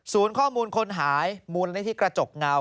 ศูนย์ข้อมูลคนหายมูลนาฬิทธิกระจกเงา